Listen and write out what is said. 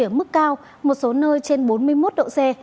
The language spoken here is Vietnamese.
ở mức cao một số nơi trên bốn mươi một độ c